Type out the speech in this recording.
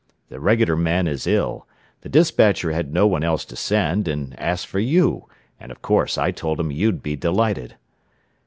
"The regular man is ill, the despatcher had no one else to send, and asked for you, and of course I told him you'd be delighted."